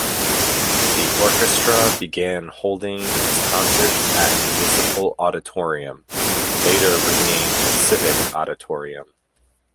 The orchestra began holding its concerts at Municipal Auditorium, later renamed Civic Auditorium.